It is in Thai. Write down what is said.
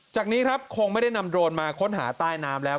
จากนี้ครับคงไม่ได้นำโดรนมาค้นหาใต้น้ำแล้ว